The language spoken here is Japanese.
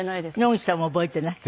野口さんも覚えていない？